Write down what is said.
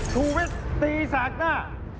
สูบวิทย์ตีสากหน้า